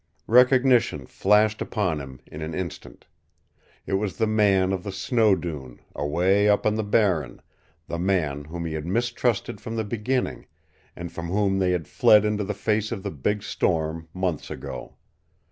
Recognition flashed upon him in an instant. It was the man of the snow dune, away up on the Barren, the man whom he had mistrusted from the beginning, and from whom they had fled into the face of the Big Storm months ago.